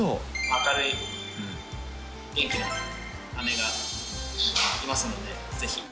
明るい、元気な姉がいますので、ぜひ。